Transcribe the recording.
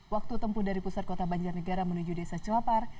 waktu tempuh dari pusat kota banjarnegara menuju desa celapar